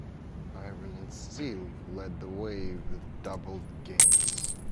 Iron and steel led the way with doubled gains.